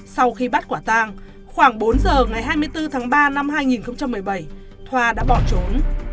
sau khi bắt quả tàng khoảng bốn giờ ngày hai mươi bốn tháng ba năm hai nghìn một mươi bảy thoa đã bỏ trốn